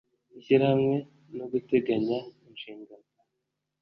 ishyirahamwe no guteganya inshingano